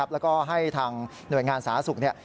แล้วก็ให้ทางหน่วยงานสาธารณสุข